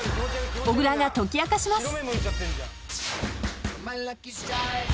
［小倉が解き明かします］